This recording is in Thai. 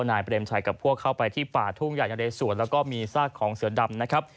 นายเปรมชัยกับพวกเข้าไปที่ป่าทุ่งใหญ่นะเรสวนแล้วก็มีซากของเสือดำนะครับ